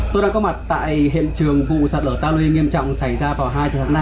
tôi đang có mặt tại hiện trường vụ sạt lở tali nghiêm trọng xảy ra vào hai h ba mươi